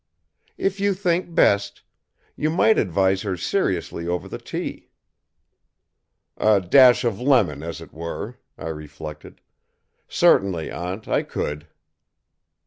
"If you think best. You might advise her seriously over the tea." "A dash of lemon, as it were," I reflected. "Certainly, Aunt, I could."